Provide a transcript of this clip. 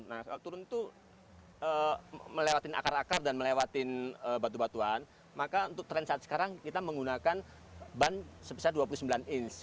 nah kalau turun itu melewati akar akar dan melewati batu batuan maka untuk tren saat sekarang kita menggunakan ban sebesar dua puluh sembilan inch